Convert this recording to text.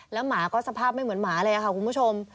แล้วหมาก็สภาพไม่เหมือนหมาเลยค่ะคุณผู้ชม